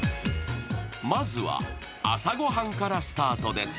まずは、朝ご飯からスタートです。